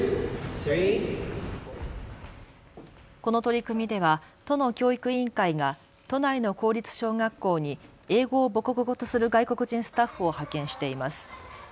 この取り組みでは都の教育委員会が都内の公立小学校に英語を母国語とする外国人スタッフを派遣しています。